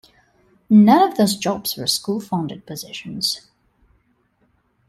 None of those jobs were school-funded positions.